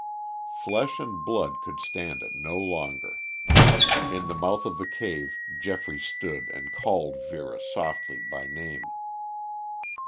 Flesh and blood could stand it no longer; in the mouth of the cave Geoffrey stood and called Vera softly by name.